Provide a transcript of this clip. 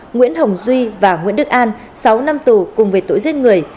nguyễn hồng duy và nguyễn đức an sáu năm tù cùng về tội giết người